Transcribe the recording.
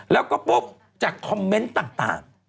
แล้วก็ปุ๊บจากคอมเมนต์ต่าง